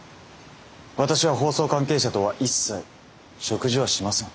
私は法曹関係者とは一切食事はしません。